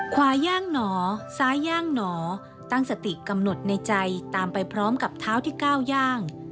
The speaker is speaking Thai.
ขวาย่างหนอซ้ายย่างหนอตั้งสติกำหนดในใจตามไปพร้อมกับเท้าที่ก้าวย่าง